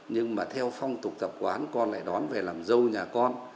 nhưng mà theo phong tục tập quán con lại đón về làm dâu nhà con